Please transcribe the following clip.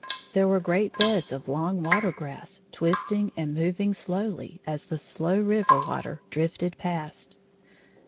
There were great beds of long water grass twisting and moving slowly as the slow river water drifted past.